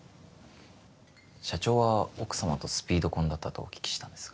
社長は奥様とスピード婚だったとお聞きしたんですが